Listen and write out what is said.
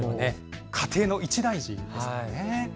家庭の一大事ですよね。